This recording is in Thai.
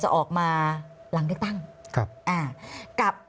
จะออกมาหลังเลือกตั้ง